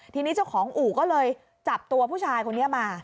ทีนี้เจ้าของอู่ก็เลยจับตัวผู้ชายคนนี้มา